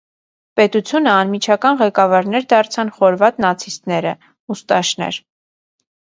Պետությունը անմիջական ղեկավարներ դարձան խորվաթ նացիստները (ուստաշներ)։